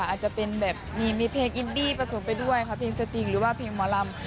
อาจจะเป็นแบบมีเพลงอินดี้ผสมไปด้วยค่ะเพลงสติงหรือว่าเพลงหมอลำ